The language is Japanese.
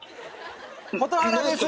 蛍原です！